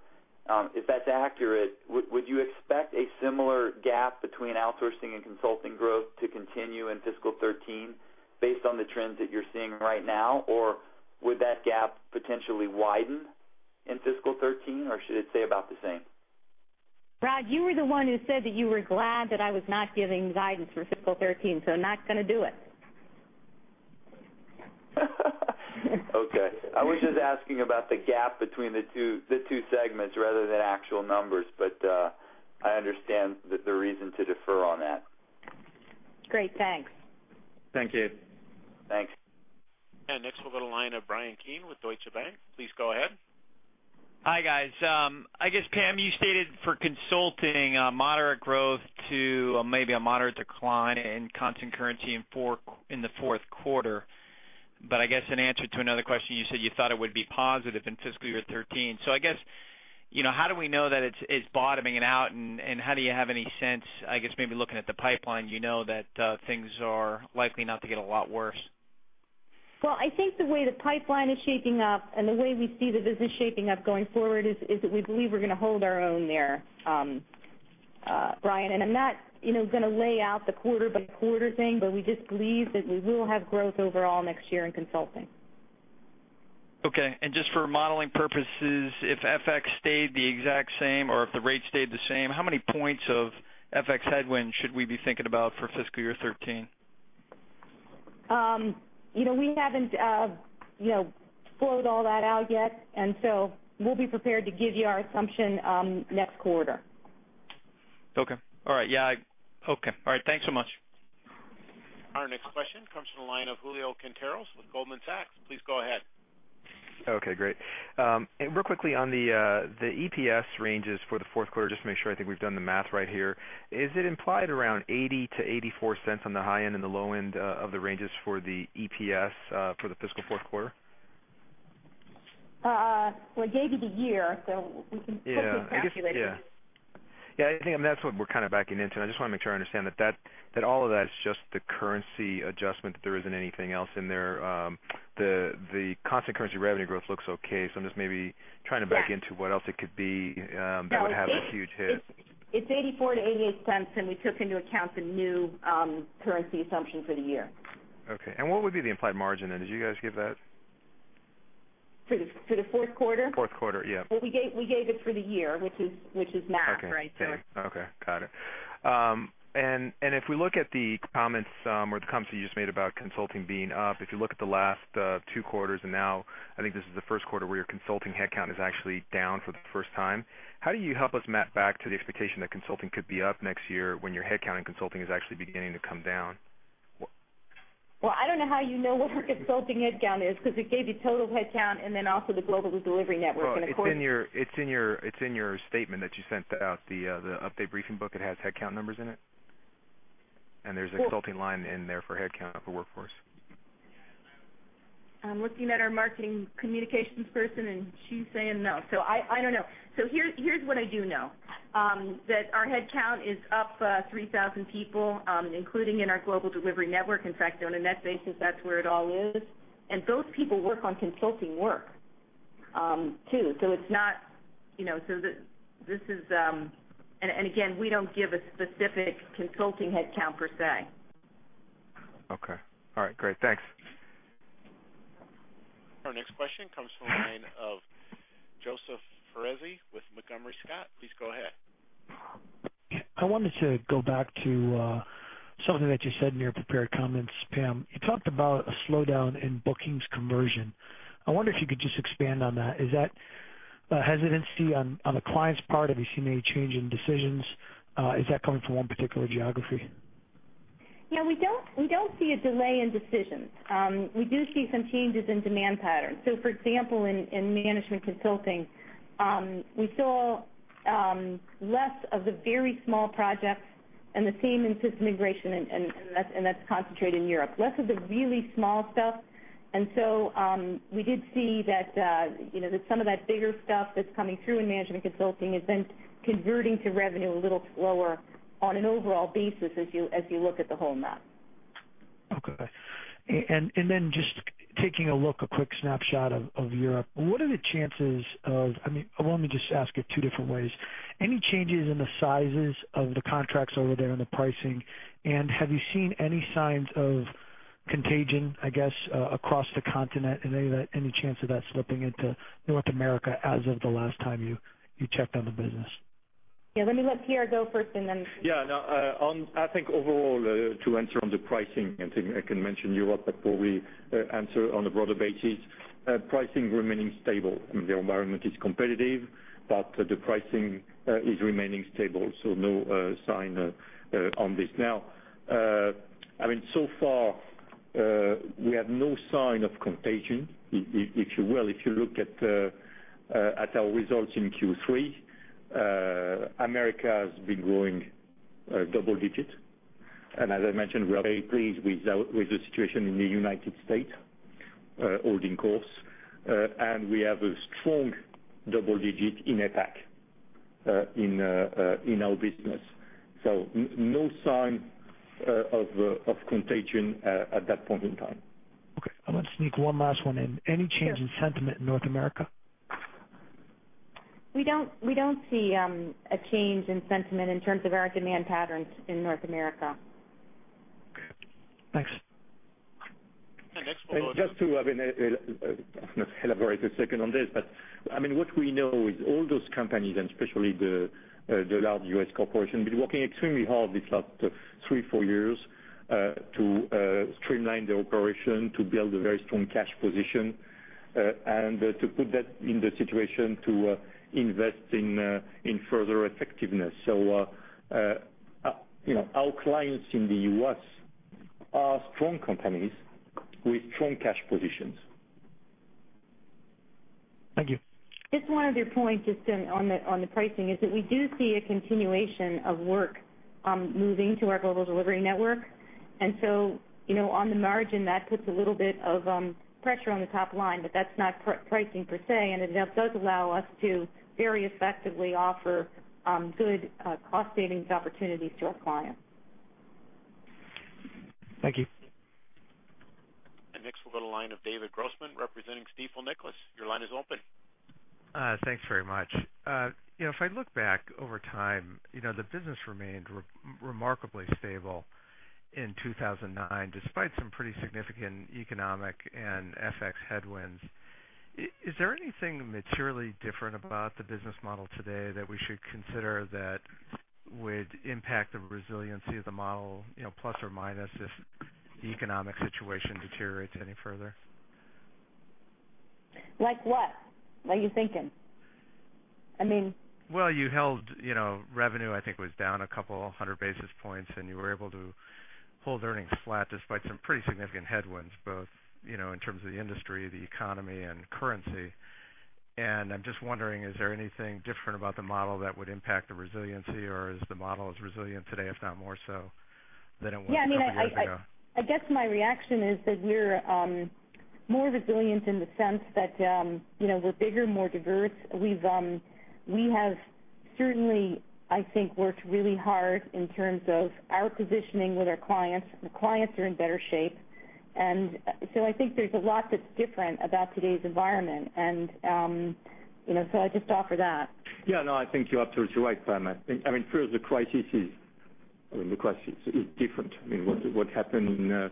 If that's accurate, would you expect a similar gap between outsourcing and consulting growth to continue in fiscal 2013, based on the trends that you're seeing right now? Would that gap potentially widen in fiscal 2013? Should it stay about the same? Rod, you were the one who said that you were glad that I was not giving guidance for FY 2013. I'm not going to do it. Okay. I was just asking about the gap between the two segments rather than actual numbers. I understand the reason to defer on that. Great. Thanks. Thank you. Thanks. Next we'll go to the line of Bryan Keane with Deutsche Bank. Please go ahead. Hi, guys. I guess, Pam, you stated for consulting, moderate growth to maybe a moderate decline in constant currency in the fourth quarter. I guess in answer to another question, you said you thought it would be positive in fiscal year 2013. I guess, how do we know that it's bottoming it out, and how do you have any sense, I guess maybe looking at the pipeline, you know that things are likely not to get a lot worse? Well, I think the way the pipeline is shaping up and the way we see the business shaping up going forward is that we believe we're going to hold our own there, Bryan. I'm not going to lay out the quarter-by-quarter thing, but we just believe that we will have growth overall next year in consulting. Okay, just for modeling purposes, if FX stayed the exact same or if the rate stayed the same, how many points of FX headwind should we be thinking about for fiscal year 2013? We haven't flowed all that out yet, we'll be prepared to give you our assumption next quarter. Okay. All right. Okay. All right. Thanks so much. Our next question comes from the line of Julio Quinteros with Goldman Sachs. Please go ahead. Okay, great. Real quickly on the EPS ranges for the fourth quarter, just to make sure, I think we've done the math right here. Is it implied around $0.80-$0.84 on the high end and the low end of the ranges for the EPS for the fiscal fourth quarter? Well, I gave you the year, so you can calculate it. Yeah. I think that's what we're kind of backing into. I just want to make sure I understand that all of that is just the currency adjustment, that there isn't anything else in there. The constant currency revenue growth looks okay. I'm just maybe trying to back into what else it could be that would have a huge hit. It's $0.84-$0.88. We took into account the new currency assumption for the year. Okay. What would be the implied margin then? Did you guys give that? For the fourth quarter? Fourth quarter, yeah. Well, we gave it for the year, which is March, right? Okay. Got it. If we look at the comments or the comments that you just made about consulting being up, if you look at the last two quarters, and now I think this is the first quarter where your consulting headcount is actually down for the first time. How do you help us map back to the expectation that consulting could be up next year when your headcount in consulting is actually beginning to come down? Well, I don't know how you know what our consulting headcount is because it gave you total headcount and then also the global delivery network. Well, it's in your statement that you sent out, the update briefing book. It has headcount numbers in it, and there's a consulting line in there for headcount for workforce. I'm looking at our marketing communications person, and she's saying no. I don't know. Here's what I do know, that our headcount is up 3,000 people, including in our global delivery network. In fact, on a net basis, that's where it all is. Those people work on consulting work, too. Again, we don't give a specific consulting headcount per se. Okay. All right, great. Thanks. Our next question comes from the line of Joseph Foresi with Janney Montgomery Scott. Please go ahead. I wanted to go back to something that you said in your prepared comments, Pam. You talked about a slowdown in bookings conversion. I wonder if you could just expand on that. Is that a hesitancy on the client's part? Have you seen any change in decisions? Is that coming from one particular geography? Yeah, we don't see a delay in decisions. We do see some changes in demand patterns. For example, in management consulting, we saw less of the very small projects and the same in system integration, that's concentrated in Europe. Less of the really small stuff. We did see that some of that bigger stuff that's coming through in management consulting has been converting to revenue a little slower on an overall basis as you look at the whole map. Okay. Just taking a look, a quick snapshot of Europe. Let me just ask it two different ways. Any changes in the sizes of the contracts over there and the pricing? Have you seen any signs of contagion, I guess, across the continent, and any chance of that slipping into North America as of the last time you checked on the business? let Pierre go first. I think overall, to answer on the pricing, I mean I can mention Europe before we answer on a broader basis. Pricing remaining stable. I mean, the environment is competitive, but the pricing is remaining stable. No sign on this. I mean, so far, we have no sign of contagion. If you will, if you look at our results in Q3, America has been growing double digit. As I mentioned, we are very pleased with the situation in the United States holding course. We have a strong double digit in APAC in our business. No sign of contagion at that point in time. Okay. I'm going to sneak one last one in. Sure. Any change in sentiment in North America? We don't see a change in sentiment in terms of our demand patterns in North America. Okay. Thanks. Next we'll go to- Just to elaborate a second on this, but I mean, what we know is all those companies, and especially the large U.S. corporations, have been working extremely hard these last three, four years, to streamline their operation, to build a very strong cash position, and to put that in the situation to invest in further effectiveness. Our clients in the U.S. are strong companies with strong cash positions. Thank you. Just one other point just on the pricing is that we do see a continuation of work moving to our global delivery network. So on the margin, that puts a little bit of pressure on the top line, but that's not pricing per se, and it does allow us to very effectively offer good cost savings opportunities to our clients. Thank you. Next we'll go to the line of David Grossman representing Stifel Nicolaus. Your line is open. Thanks very much. If I look back over time, the business remained remarkably stable in 2009, despite some pretty significant economic and FX headwinds. Is there anything materially different about the business model today that we should consider that would impact the resiliency of the model plus or minus if the economic situation deteriorates any further? Like what? What are you thinking? Well, you held revenue, I think was down a couple of 100 basis points, you were able to hold earnings flat despite some pretty significant headwinds, both in terms of the industry, the economy, and currency. I'm just wondering, is there anything different about the model that would impact the resiliency, or is the model as resilient today, if not more so than it was a couple of years ago? Yeah, I mean, I guess my reaction is that we're more resilient in the sense that we're bigger, more diverse. We have certainly, I think, worked really hard in terms of our positioning with our clients. The clients are in better shape. I think there's a lot that's different about today's environment. I just offer that. Yeah, no, I think you're absolutely right, Pam. I mean, through the crisis I mean, the crisis is different. I mean, what happened in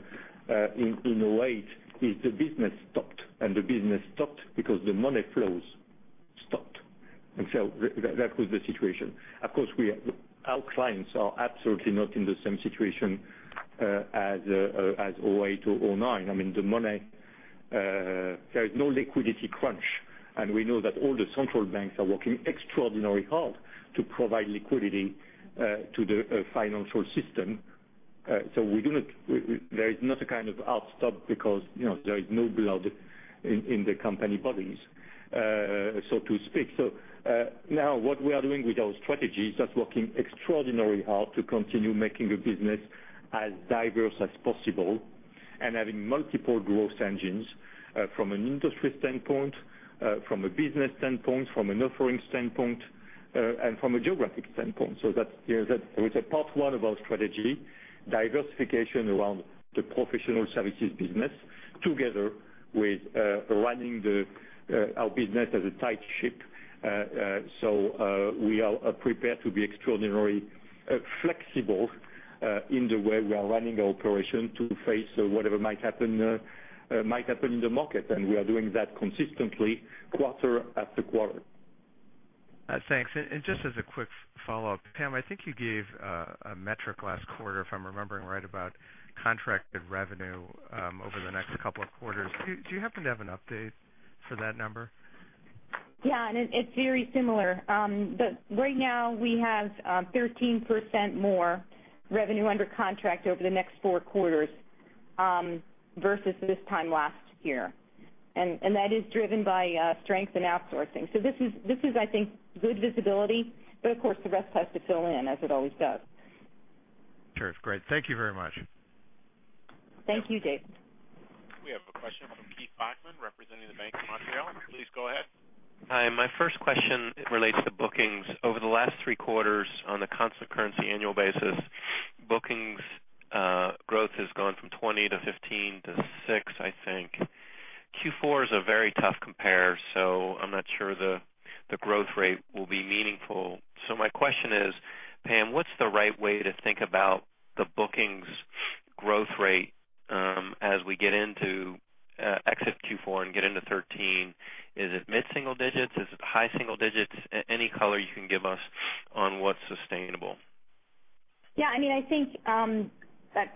2008 is the business stopped, and the business stopped because the money flows stopped. That was the situation. Of course, our clients are absolutely not in the same situation as 2008 or 2009. I mean, there is no liquidity crunch, and we know that all the central banks are working extraordinarily hard to provide liquidity to the financial system. There is not a kind of hard stop because there is no blood in the company bodies, so to speak. Now what we are doing with our strategy is just working extraordinarily hard to continue making the business as diverse as possible and having multiple growth engines, from an industry standpoint, from a business standpoint, from an offering standpoint, and from a geographic standpoint. It's a part one of our strategy, diversification around the professional services business together with running our business as a tight ship. We are prepared to be extraordinarily flexible in the way we are running our operation to face whatever might happen in the market. We are doing that consistently quarter after quarter. Thanks. Just as a quick follow-up, Pam, I think you gave a metric last quarter, if I'm remembering right, about contracted revenue over the next couple of quarters. Do you happen to have an update for that number? Yeah, it's very similar. Right now we have 13% more revenue under contract over the next four quarters, versus this time last year. That is driven by strength in outsourcing. This is, I think, good visibility, but of course the rest has to fill in as it always does. Sure. Great. Thank you very much. Thank you, David. We have a question from Keith Bachman representing the BMO Capital Markets. Please go ahead. Hi, my first question relates to bookings. Over the last three quarters on a constant currency annual basis, bookings growth has gone from 20 to 15 to six, I think. Q4 is a very tough compare, so I'm not sure the growth rate will be meaningful. My question is, Pam, what's the right way to think about the bookings growth rate, as we exit Q4 and get into 2013? Is it mid-single digits? Is it high single digits? Any color you can give us on what's sustainable? Yeah, I think that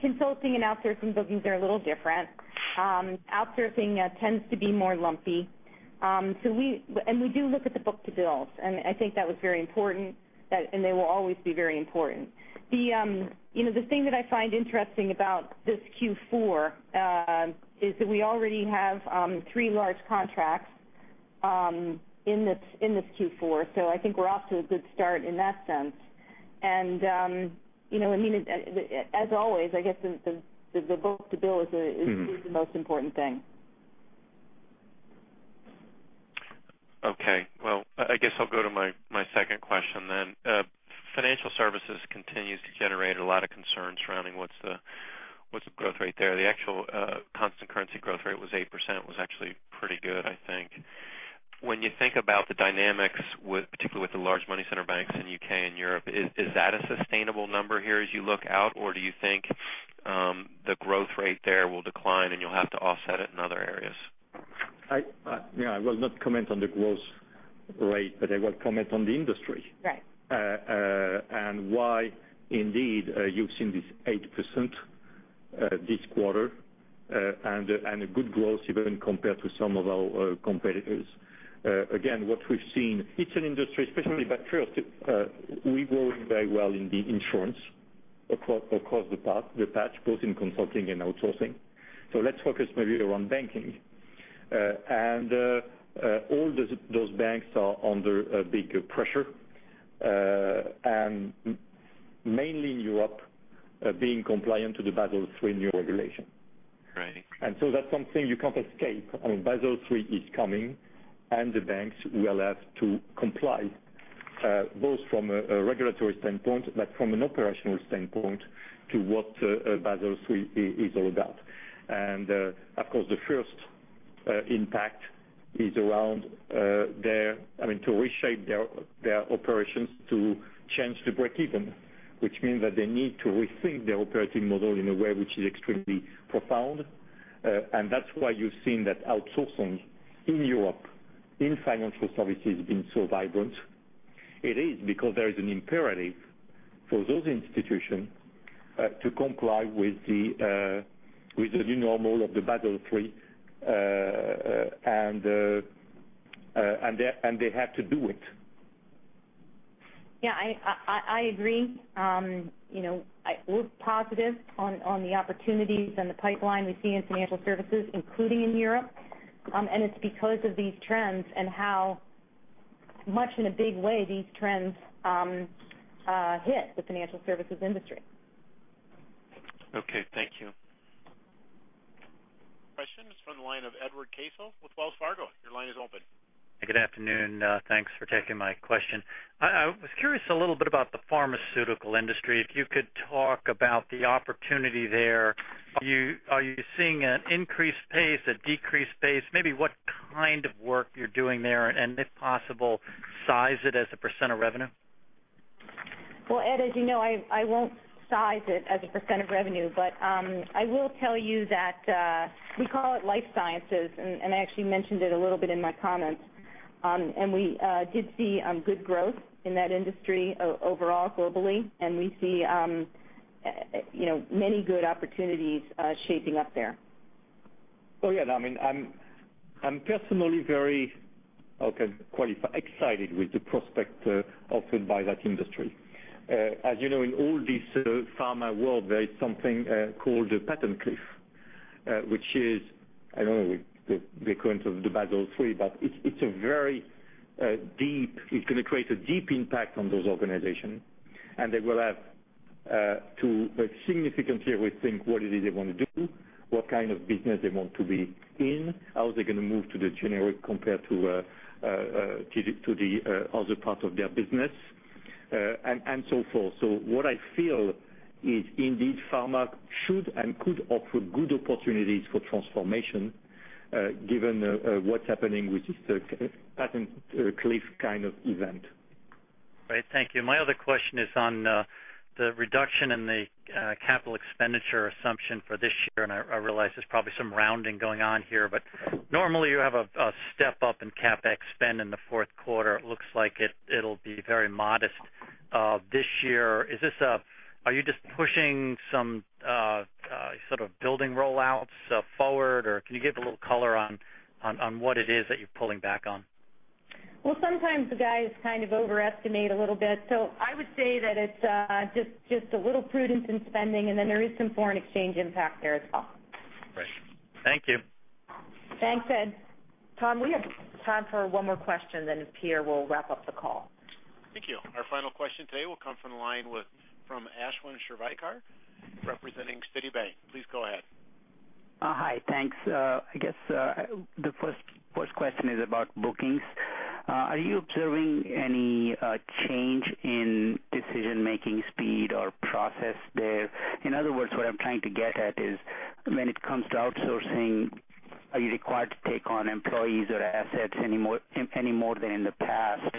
consulting and outsourcing bookings are a little different. Outsourcing tends to be more lumpy. We do look at the book-to-bills, and I think that was very important, and they will always be very important. The thing that I find interesting about this Q4, is that we already have three large contracts in this Q4. I think we're off to a good start in that sense. As always, I guess the book-to-bill is the most important thing. Okay, well, I guess I'll go to my second question then. Financial services continues to generate a lot of concern surrounding what's the growth rate there. The actual constant currency growth rate was 8%, was actually pretty good, I think. When you think about the dynamics, particularly with the large money center banks in U.K. and Europe, is that a sustainable number here as you look out? Do you think the growth rate there will decline, and you'll have to offset it in other areas? I will not comment on the growth rate, I will comment on the industry. Right. Why, indeed, you've seen this 8% this quarter, a good growth even compared to some of our competitors. Again, what we've seen, it's an industry, especially but first, we're growing very well in the insurance across the patch, both in consulting and outsourcing. Let's focus maybe around banking. All those banks are under a big pressure, Mainly in Europe, being compliant to the Basel III new regulation. Right. That's something you can't escape. I mean, Basel III is coming, and the banks will have to comply, both from a regulatory standpoint, but from an operational standpoint to what Basel III is all about. Of course, the first impact is to reshape their operations to change the breakeven, which means that they need to rethink their operating model in a way which is extremely profound. That's why you've seen that outsourcing in Europe, in financial services, has been so vibrant. It is because there is an imperative for those institutions to comply with the new normal of the Basel III, and they have to do it. Yeah, I agree. We're positive on the opportunities and the pipeline we see in financial services, including in Europe. It's because of these trends and how much in a big way these trends hit the financial services industry. Okay, thank you. Question from the line of Edward Caso with Wells Fargo. Your line is open. Good afternoon. Thanks for taking my question. I was curious a little bit about the pharmaceutical industry. If you could talk about the opportunity there. Are you seeing an increased pace, a decreased pace? Maybe what trends, kind of work you're doing there, and if possible, size it as a % of revenue. Well, Ed, as you know, I won't size it as a % of revenue, but I will tell you that we call it life sciences, and I actually mentioned it a little bit in my comments. We did see good growth in that industry overall globally, and we see many good opportunities shaping up there. Oh, yeah. I'm personally very excited with the prospect offered by that industry. As you know, in all this pharma world, there is something called the patent cliff. Which is, I don't know the occurrence of the three, but it's going to create a deep impact on those organizations. They will have to significantly rethink what it is they want to do, what kind of business they want to be in, how they're going to move to the generic compared to the other part of their business, and so forth. What I feel is indeed pharma should and could offer good opportunities for transformation given what's happening, which is the patent cliff kind of event. Great. Thank you. My other question is on the reduction in the capital expenditure assumption for this year, and I realize there's probably some rounding going on here, but normally you have a step up in CapEx spend in the fourth quarter. It looks like it'll be very modest this year. Are you just pushing some sort of building rollouts forward or can you give a little color on what it is that you're pulling back on? Well, sometimes the guys kind of overestimate a little bit. I would say that it's just a little prudence in spending, and then there is some foreign exchange impact there as well. Right. Thank you. Thanks, Ed. Tom, we have time for one more question, Pierre will wrap up the call. Thank you. Our final question today will come from the line from Ashwin Shirvaikar representing Citi. Please go ahead. Hi, thanks. I guess the first question is about bookings. Are you observing any change in decision-making speed or process there? In other words, what I'm trying to get at is when it comes to outsourcing, are you required to take on employees or assets any more than in the past?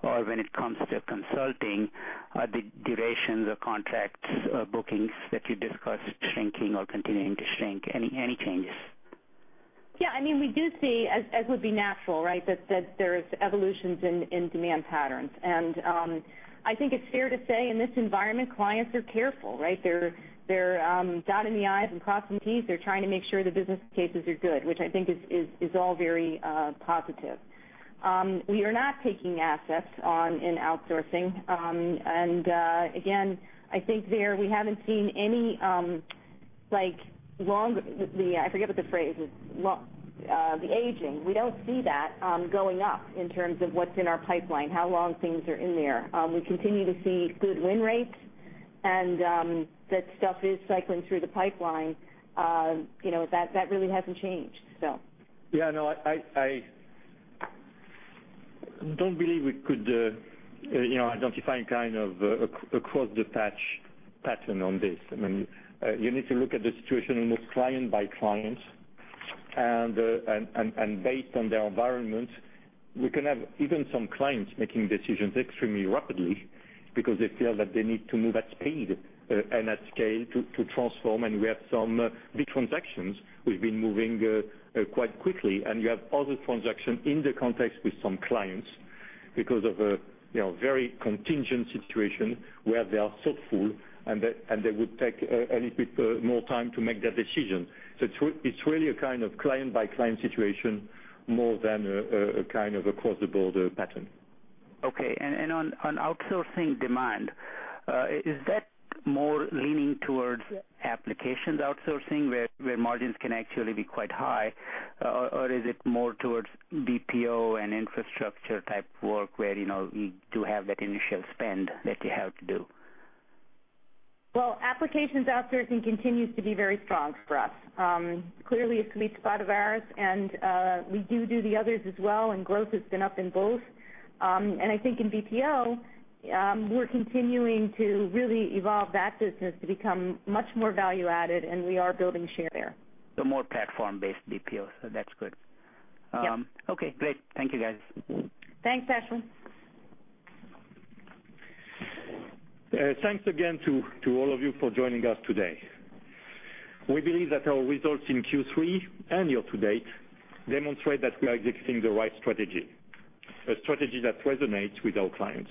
When it comes to consulting, are the durations of contracts or bookings that you discussed shrinking or continuing to shrink, any changes? Yeah, we do see, as would be natural, that there is evolutions in demand patterns. I think it's fair to say in this environment, clients are careful, right? They're dotting the i's and crossing t's. They're trying to make sure the business cases are good, which I think is all very positive. We are not taking assets on in outsourcing. Again, I think there we haven't seen any long, I forget what the phrase is, the aging. We don't see that going up in terms of what's in our pipeline, how long things are in there. We continue to see good win rates and that stuff is cycling through the pipeline. That really hasn't changed. Yeah, no, I don't believe we could identify a kind of across the patch pattern on this. You need to look at the situation on a client by client and based on their environment. We can have even some clients making decisions extremely rapidly because they feel that they need to move at speed and at scale to transform and we have some big transactions we've been moving quite quickly. You have other transactions in the context with some clients because of a very contingent situation where they are so full and they would take a little bit more time to make that decision. It's really a kind of client by client situation more than a kind of across the board pattern. Okay. On outsourcing demand, is that more leaning towards applications outsourcing where margins can actually be quite high? Or is it more towards BPO and infrastructure type work where you do have that initial spend that you have to do? Well, applications outsourcing continues to be very strong for us. Clearly a sweet spot of ours and we do do the others as well and growth has been up in both. I think in BPO, we're continuing to really evolve that business to become much more value added and we are building share there. More platform based BPO. That's good. Yep. Okay, great. Thank you, guys. Thanks, Ashwin. Thanks again to all of you for joining us today. We believe that our results in Q3 and year to date demonstrate that we are executing the right strategy, a strategy that resonates with our clients.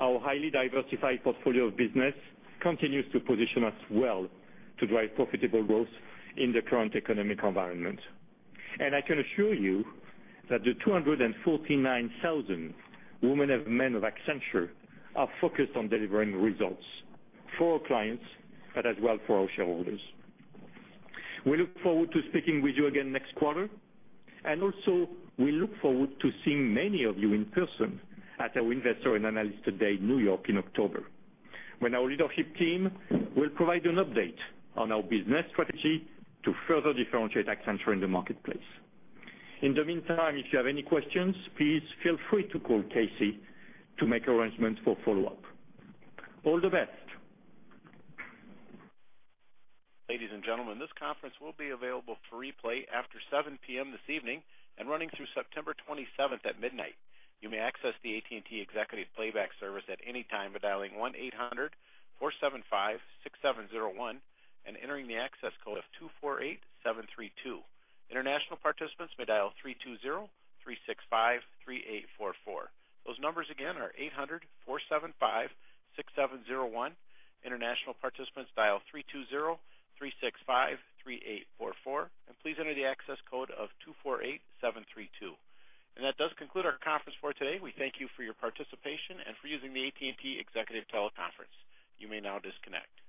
Our highly diversified portfolio of business continues to position us well to drive profitable growth in the current economic environment. I can assure you that the 249,000 women and men of Accenture are focused on delivering results for our clients, but as well for our shareholders. We look forward to speaking with you again next quarter, and also we look forward to seeing many of you in person at our Investor and Analyst Day in New York in October, when our leadership team will provide an update on our business strategy to further differentiate Accenture in the marketplace. In the meantime, if you have any questions, please feel free to call KC to make arrangements for follow-up. All the best. Ladies and gentlemen, this conference will be available for replay after 7:00 P.M. this evening and running through September 27th at midnight. You may access the AT&T Executive Playback Service at any time by dialing 1-800-475-6701 and entering the access code of 248732. International participants may dial 3203653844. Those numbers again are 800-475-6701. International participants dial 3203653844 and please enter the access code of 248732. That does conclude our conference for today. We thank you for your participation and for using the AT&T TeleConference Services. You may now disconnect.